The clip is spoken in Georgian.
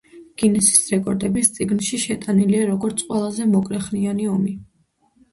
გინესის რეკორდების წიგნში შეტანილია როგორც ყველაზე მოკლეხნიანი ომი.